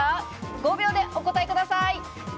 ５秒でお答えください。